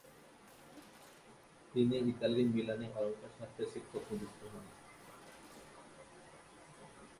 তিনি ইতালির মিলানে অলঙ্কারশাস্ত্রের শিক্ষক নিযুক্ত হন।